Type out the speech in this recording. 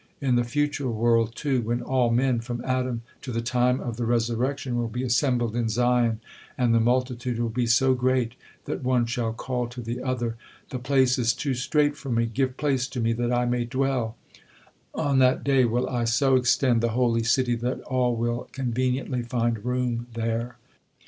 In the future world, too, when all men from Adam to the time of the Resurrection will be assembled in Zion, and the multitude will be so great that one shall call to the other, 'The place is too strait for me, give place to me that I may dwell,' on that day will I so extend the holy city that all will conveniently find room there."